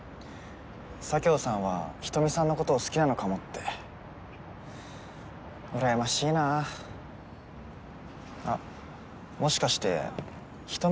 佐京さんは人見さんのことを好きなのかもってうらやましいなあっもしかして人見さんも佐京さんのことを？